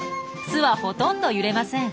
巣はほとんど揺れません。